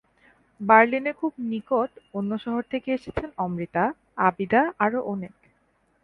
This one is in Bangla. বার্লিনের খুব নিকট অন্য শহর থেকে এসেছেন অমৃতা, আবিদা আরও অনেক।